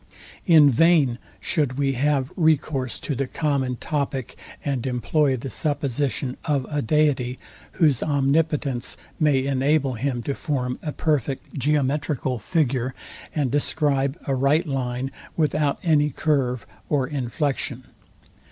In vain should we have recourse to the common topic, and employ the supposition of a deity, whose omnipotence may enable him to form a perfect geometrical figure, and describe a right line without any curve or inflexion.